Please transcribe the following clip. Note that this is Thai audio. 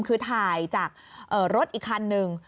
คือถ่ายจากรถอีกคันหนึ่ง